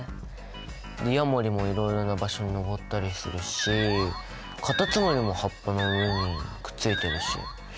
ヤモリもいろいろな場所にのぼったりするしカタツムリも葉っぱの上にくっついてるし。